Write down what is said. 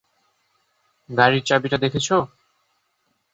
গাড়ির চাবিটা দেখেছ?